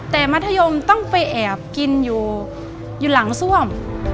แต่มัธยมต้องไปแอบกินอยู่หลังซ่วม